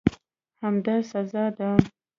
همدا سزا ده.